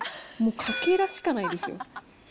もう、かけらしかないですよ。